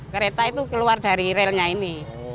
kereta itu keluar dari relnya ini